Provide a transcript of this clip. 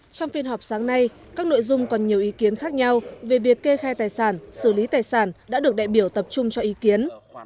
trong phiên họp sáng nay các nội dung còn nhiều ý kiến khác nhau về việc kê khai tài sản xử lý tài sản đã được đại biểu tập trung cho ý kiến